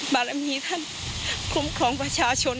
บารมีท่านคุ้มครองประชาชน